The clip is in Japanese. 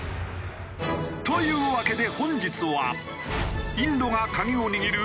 というわけで本日は。